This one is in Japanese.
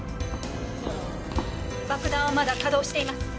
爆弾はまだ稼動しています。